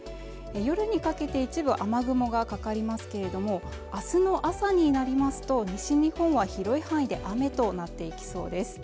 夜にかけて一部雨雲がかかりますけれどもあすの朝になりますと西日本は広い範囲で雨となっていきそうです